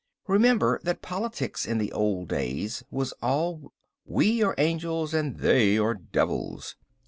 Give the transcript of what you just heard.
Remember that politics in the old days was all We are angels and They are devils.